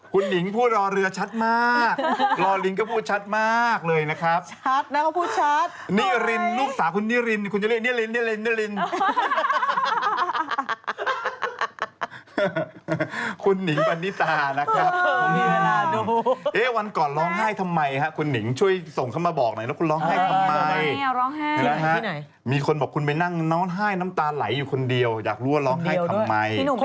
คุณนิ้งผู้รอเรือชัดมากรอลิงก็พูดชัดมากเลยนะครับนิ้งปะนิตาคุณนิ้งปะนิตาคุณนิ้งปะนิตาคุณนิ้งปะนิตาคุณนิ้งปะนิตาคุณนิ้งปะนิตาคุณนิ้งปะนิตาคุณนิ้งปะนิตาคุณนิ้งปะนิตาคุณนิ้งปะนิตาคุณนิ้งปะนิตาคุณนิ้งปะนิตาคุณนิ้งปะนิตา